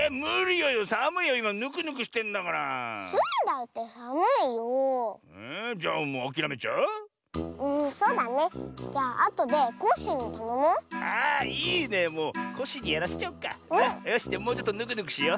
よしじゃもうちょっとぬくぬくしよう。